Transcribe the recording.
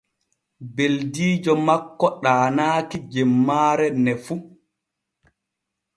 Beldiijo makko ɗaanaaki jemmaare ne fu.